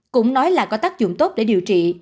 cũng nói là có tác dụng tốt để điều trị